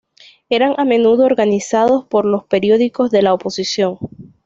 Eran a menudo organizados por los periódicos de la oposición.